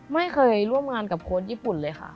ไม่เคยร่วมงานกับโค้ชญี่ปุ่นเลยค่ะ